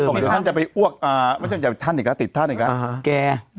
ท่านบอกเดี๋ยวท่านจะไปอ้วกอ่าไม่ใช่อย่าท่านอีกแล้วติดท่านอีกแล้วอ่า